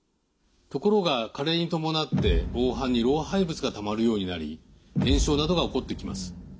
ところが加齢に伴って黄斑に老廃物がたまるようになり炎症などが起こってきます。